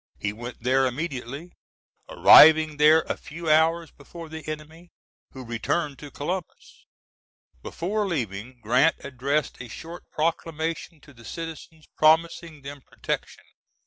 he went there immediately, arriving there a few hours before the enemy, who returned to Columbus. Before leaving Grant addressed a short proclamation to the citizens promising them protection.